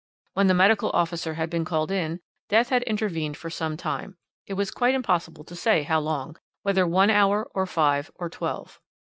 When the medical officer had been called in, death had intervened for some time; it was quite impossible to say how long, whether one hour or five or twelve.